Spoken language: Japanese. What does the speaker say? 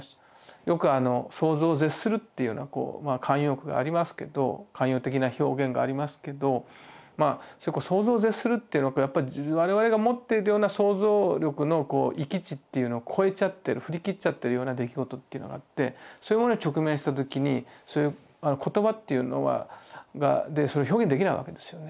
よく「想像を絶する」っていうような慣用句がありますけど慣用的な表現がありますけどそれこそ想像を絶するっていうのかやっぱ我々が持っているような想像力の閾値っていうのを超えちゃってる振り切っちゃっているような出来事っていうのがあってそういうものに直面したときに言葉っていうのでそれを表現できないわけですよね。